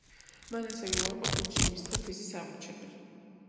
მან ასევე უარყო ფილმში მისტერ ფრიზის გამოჩენა.